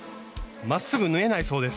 まっすぐ縫えないそうです。